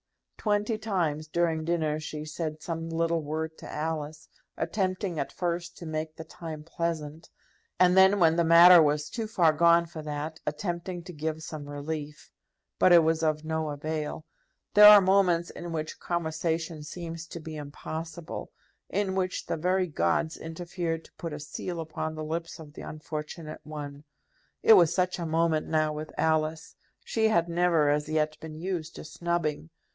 Twenty times during dinner she said some little word to Alice, attempting at first to make the time pleasant, and then, when the matter was too far gone for that, attempting to give some relief. But it was of no avail. There are moments in which conversation seems to be impossible, in which the very gods interfere to put a seal upon the lips of the unfortunate one. It was such a moment now with Alice. She had never as yet been used to snubbing.